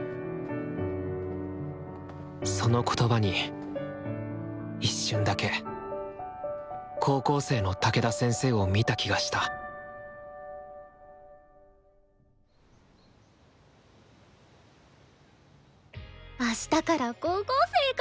その言葉に一瞬だけ高校生の武田先生を見た気がしたあしたから高校生か。